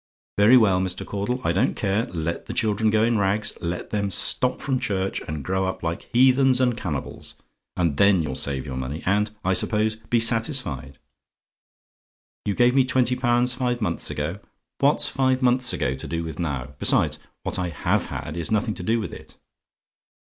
"Very well, Mr. Caudle; I don't care: let the children go in rags; let them stop from church, and grow up like heathens and cannibals, and then you'll save your money, and, I suppose, be satisfied. "YOU GAVE ME TWENTY POUNDS FIVE MONTHS AGO? "What's five months ago to do with now? Besides, what I HAVE had is nothing to do with it.